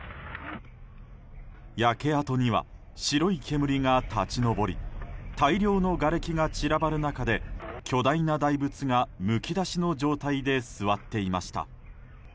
焼け跡には白い煙が立ち上り大量のがれきが散らばる中で巨大な大仏がむき出しの状態で座っていました。